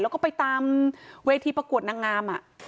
แล้วก็ไปตามเวทีประกวดนางงาม